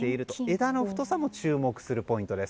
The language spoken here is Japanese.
枝の太さも注目するポイントです。